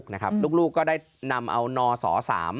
นะครับลูกก็ได้นำเอานอศศ